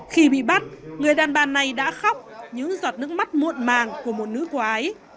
khi bị bắt người đàn bà này đã khóc những giọt nước mắt muộn màng của một nữ quái